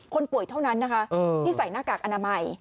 คนป่วยเท่านั้นนะคะที่ใส่หน้ากากอนามัย